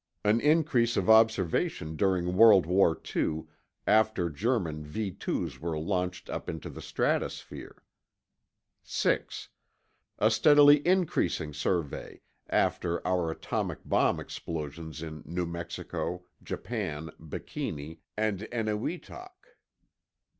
An increase of observation during World War II, after German V 2's were launched up into the stratosphere. 6. A steadily increasing survey after our atomic bomb explosions in New Mexico, Japan, Bikini, and Eniwetok.